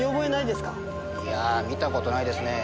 いや見た事ないですね。